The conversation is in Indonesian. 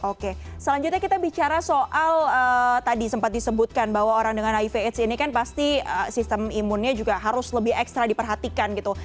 oke selanjutnya kita bicara soal tadi sempat disebutkan bahwa orang dengan hiv aids ini kan pasti sistem imunnya juga harus lebih ekstra diperhatikan gitu